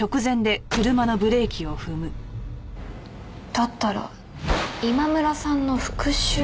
だったら今村さんの復讐？